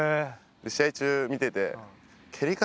試合中見てて。